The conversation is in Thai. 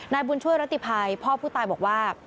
บุญช่วยรัติภัยพ่อผู้ตายบอกว่า